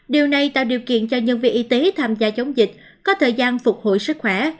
điều này tạo điều kiện cho nhân viên y tế tham gia chống dịch có thời gian phục hồi sức khỏe